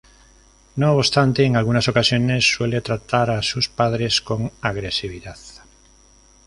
No obstante, en algunas ocasiones suele tratar a sus padres con agresividad.